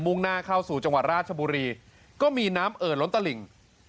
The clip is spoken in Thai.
่งหน้าเข้าสู่จังหวัดราชบุรีก็มีน้ำเอ่อล้นตะหลิ่ง